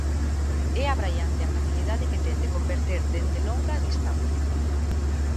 É abraiante a facilidade que ten de converter dende longa distancia.